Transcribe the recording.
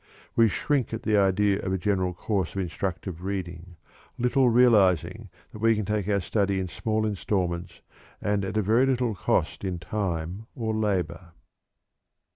We shrink at the idea of a general course of instructive reading, little realizing that we can take our study in small installments and at a very little cost in time or labor.